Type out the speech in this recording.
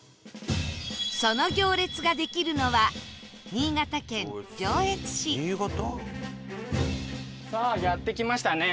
その行列ができるのはさあやって来ましたね。